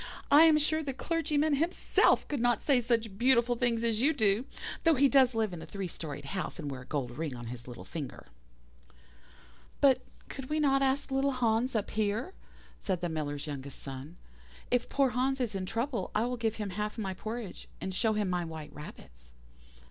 I am sure the clergyman himself could not say such beautiful things as you do, though he does live in a three storied house, and wear a gold ring on his little finger.' "'But could we not ask little Hans up here?' said the Miller's youngest son. 'If poor Hans is in trouble I will give him half my porridge, and show him my white rabbits.